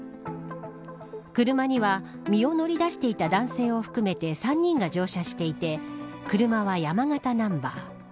車には、身を乗り出していた男性を含めて３人が乗車していて車は山形ナンバー。